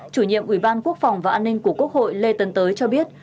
chủ nhiệm ủy ban quốc phòng và an ninh của quốc hội lê tấn tới cho biết